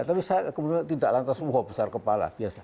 tapi saya kemudian tidak lantas wah besar kepala biasa